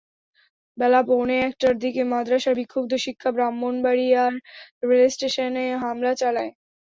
বেলা পৌনে একটার দিকে মাদ্রাসার বিক্ষুব্ধ শিক্ষা ব্রাহ্মণবাড়িয়া রেলস্টেশনে হামলা চালায়।